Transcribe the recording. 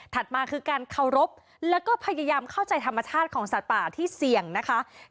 มาคือการเคารพแล้วก็พยายามเข้าใจธรรมชาติของสัตว์ป่าที่เสี่ยงนะคะ